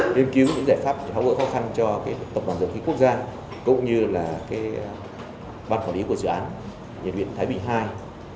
nghiên cứu những giải pháp tháo gỡ khó khăn cho cái tổng đoàn dự kiến quốc gia cũng như là cái ban quản lý của dự án nhiệt huyện thái bình ii